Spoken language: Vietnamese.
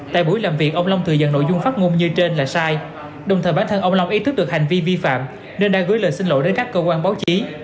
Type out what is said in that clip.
tại buổi làm việc ông long thừa nhận nội dung phát ngôn như trên là sai đồng thời bản thân ông long ý thức được hành vi vi phạm nên đã gửi lời xin lỗi đến các cơ quan báo chí